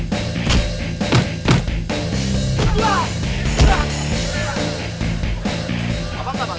kenapa lo tarik taring